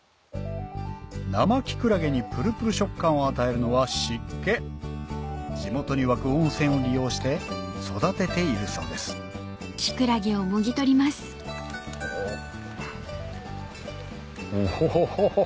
生きくらげにプルプル食感を与えるのは湿気地元に湧く温泉を利用して育てているそうですオホホホ！